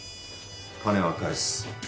金は返す。